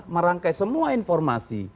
merangkai semua informasi